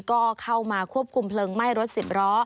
ก็เข้ามาควบคุมเพลิงไหม้รถ๑๐ล้อ